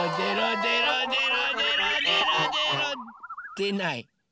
でない。